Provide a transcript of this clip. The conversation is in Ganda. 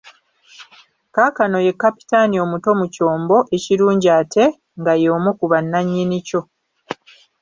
Kaakano ye Kapitaani omuto mu kyombo ekirungi ate nga ye omu ku banannyini kyo.